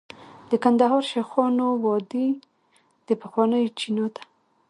د کندهار شیخانو وادي د پخوانیو چینو ده